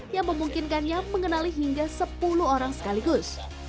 yang memungkinkannya mengenali hingga sepuluh orang sekaligus